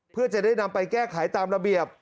เพื่อจะได้นำไปแก้ไขตามระเบียบ